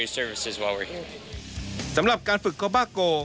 สำหรับการฝึกโกบาโก